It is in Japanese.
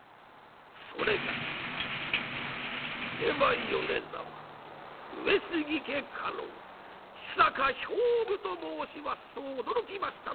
それがしは出羽米沢上杉家家老千坂兵部と申します」と驚きましたのがこの２人。